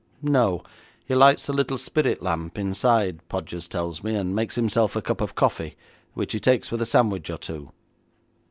'No; he lights a little spirit lamp inside, Podgers tells me, and makes himself a cup of coffee, which he takes with a sandwich or two.'